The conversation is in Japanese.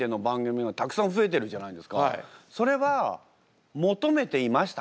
それは求めていましたか？